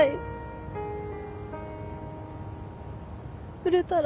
触れたら。